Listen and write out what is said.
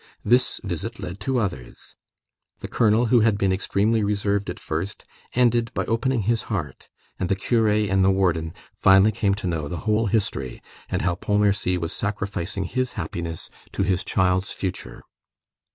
This visit led to others. The colonel, who had been extremely reserved at first, ended by opening his heart, and the curé and the warden finally came to know the whole history, and how Pontmercy was sacrificing his happiness to his child's future.